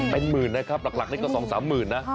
เป็นหมื่นนะครับหลักนี่ก็๒๓หมื่นนะ